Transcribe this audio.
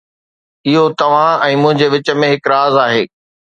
اهو توهان ۽ منهنجي وچ ۾ هڪ راز آهي